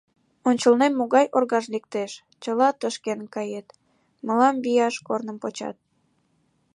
Ончылнем могай оргаж лектеш — чыла тошкен кает, мылам вияш корным почат.